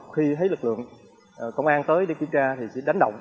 khi thấy lực lượng công an tới để kiểm tra thì sẽ đánh động